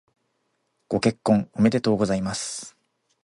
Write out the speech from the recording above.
ご結婚おめでとうございます。